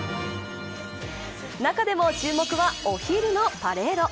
中でも注目は、お昼のパレード。